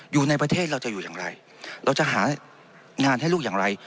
อยู่ในประเทศเราจะอยู่อย่างไรเราจะหางานให้ลูกอย่างไร